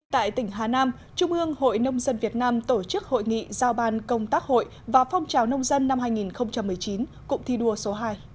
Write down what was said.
tại tỉnh hà nam trung ương hội nông dân việt nam tổ chức hội nghị giao ban công tác hội và phong trào nông dân năm hai nghìn một mươi chín cụm thi đua số hai